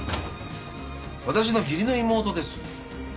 私の義理の妹です。